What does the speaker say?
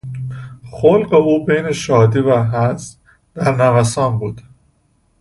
خلق او بین شادی و حزن در نوسان بود.